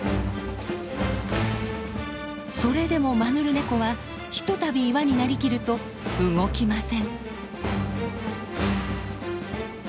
それでもマヌルネコはひとたび岩になりきると動きません。